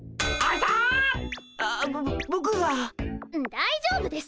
大丈夫です！